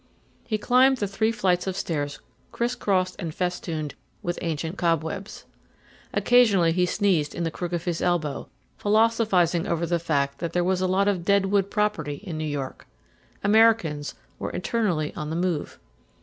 He climbed the three flights of stairs crisscrossed and festooned with ancient cobwebs. Occasionally he sneezed in the crook of his elbow, philosophizing over the fact that there was a lot of deadwood property in New York. Americans were eternally on the move.